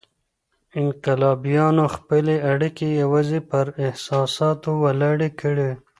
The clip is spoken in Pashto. انقلابيانو خپلي اړيکې يوازي پر احساساتو ولاړې کړې.